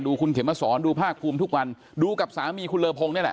คุณเข็มมาสอนดูภาคภูมิทุกวันดูกับสามีคุณเลอพงนี่แหละ